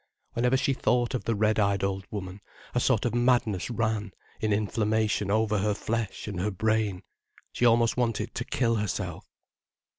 Whenever she thought of the red eyed old woman, a sort of madness ran in inflammation over her flesh and her brain, she almost wanted to kill herself.